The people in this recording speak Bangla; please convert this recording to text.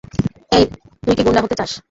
এই, তুই কি গুণ্ডা হতে চাস?